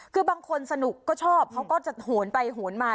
คือบางคนสนุกก็ชอบเขาก็จะโหนไปโหนมา